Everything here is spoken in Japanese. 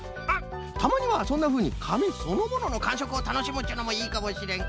たまにはそんなふうにかみそのもののかんしょくをたのしむっちゅうのもいいかもしれん。